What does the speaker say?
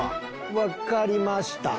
分かりました。